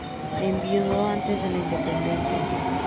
Enviudó antes de la independencia.